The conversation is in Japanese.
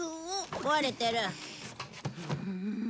壊れてる。